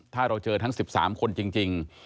ถ้าเราเจอทั้ง๑๓คนจริง